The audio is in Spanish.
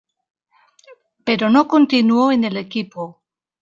Pero no continuó en el equipo.